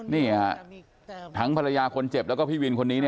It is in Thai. นี่ค่ะทั้งภรรยาคนเจ็บแล้วก็พี่วินคนนี้